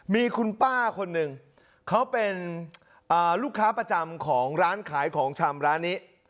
มีคุณป้าคนหนึ่งเขาเป็นลูกค้าประจำของร้านขายของชำร้านนี้